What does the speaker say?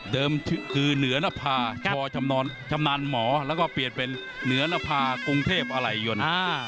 คือเหนือนภาพอชำนาญหมอแล้วก็เปลี่ยนเป็นเหนือนภากรุงเทพอะไรยน